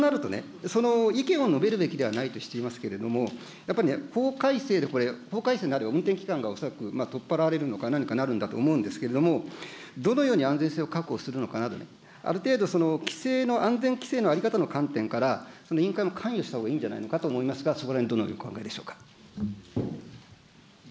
そうなるとね、その意見を述べるべきではないとしていますけれども、やっぱりね、法改正でこれ、法改正になると、運転期間が恐らく取っ払われるのか何かなるんだろうと思うが、どのように安全性を確保するのかなど、ある程度、規制の、安全規制の在り方の観点から、委員会も関与したほうがいいんじゃないかなと思うんですが、そこらへんどのようにお考えでしょうか。